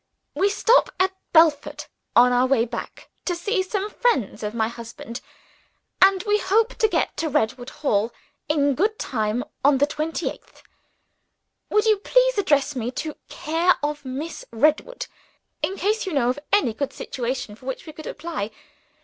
"We stop at Belford on our way back, to see some friends of my husband, and we hope to get to Redwood Hall in good time on the 28th. Would you please address me to care of Miss Redwood, in case you know of any good situation for which we could apply.